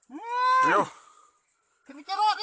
มือ